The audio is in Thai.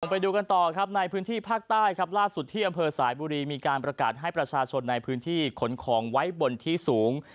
ไปดูกันต่อครับในพื้นที่ภาคใต้ครับล่าสุดที่อำเภอสายบุรีมีการประกาศให้ประชาชนในพื้นที่ขนของไว้บนที่สูง